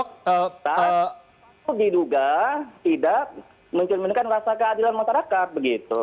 tak tak tidak tidak tidak tidak tidak tidak tidak tidak tidak tidak tidak tidak tidak tidak tidak tidak tidak tidak tidak tidak